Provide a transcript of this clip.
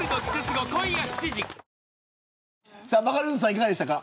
いかがでしたか。